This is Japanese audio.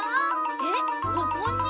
えっここに？